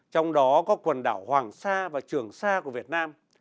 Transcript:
trong đó có quần đảo hoàng sa và trường sa của việt nam